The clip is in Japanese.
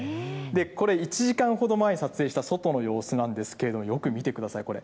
これ、１時間ほど前に撮影した外の様子なんですけれども、よく見てください、これ。